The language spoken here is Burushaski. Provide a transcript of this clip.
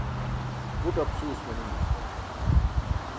buṭ apsuus manimi